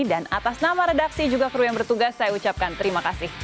dan atas nama redaksi juga kru yang bertugas saya ucapkan terima kasih